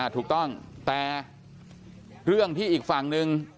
ถูกต้องแต่เรื่องที่อีกฝั่งหนึ่ง